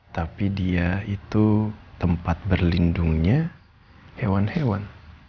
tapi dia itu tempat berlindungnya hewan hewan